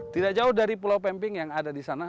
tidak jauh dari pulau pemping yang ada di sana